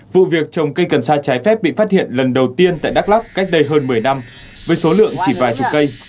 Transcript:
vụ việc trồng cây cần sa trái phép bị phát hiện lần đầu tiên tại đắk lắc cách đây hơn một mươi năm với số lượng chỉ vài chục cây